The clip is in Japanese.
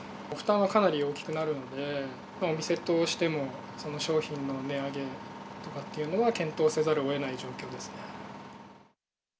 負担はかなり大きくなるので、お店としても、その商品の値上げとかっていうのは検討せざるをえない状況ですね。